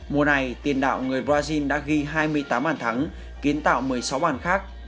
mùa này tiền đạo người brazil đã ghi hai mươi tám bàn thắng kiến tạo một mươi sáu bàn khác